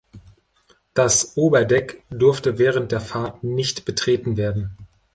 Das Oberdeck durfte während der Fahrt nicht betreten werden.